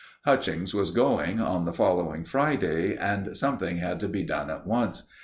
Hutchings was going on the following Friday and something had to be done at once.